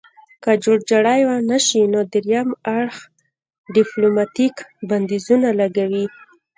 که جوړجاړی ونشي نو دریم اړخ ډیپلوماتیک بندیزونه لګوي